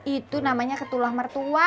itu namanya ketulah mertua